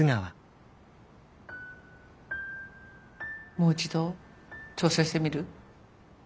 もう一度挑戦してみる？